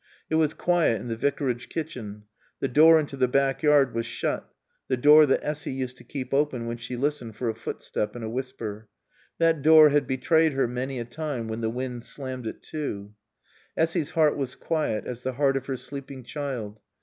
It was quiet in the Vicarage kitchen. The door into the back yard was shut, the door that Essy used to keep open when she listened for a footstep and a whisper. That door had betrayed her many a time when the wind slammed it to. Essy's heart was quiet as the heart of her sleeping child.